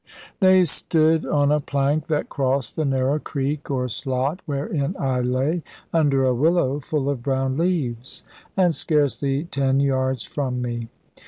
They stood on a plank that crossed the narrow creek or slot (wherein I lay, under a willow full of brown leaves), and scarcely ten yards from me.